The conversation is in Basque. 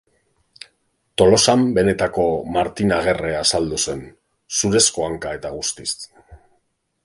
Tolosan benetako Martin Agerre azaldu zen, zurezko hanka eta guztiz.